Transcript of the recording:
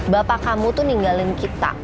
bapak kamu tuh ninggalin kita